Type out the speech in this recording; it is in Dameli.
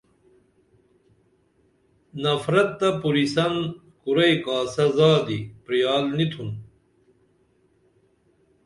نفرت تہ پُریسن کُرئی کاسہ زادی پریال نی تُھن